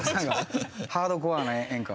ハードコアな演歌。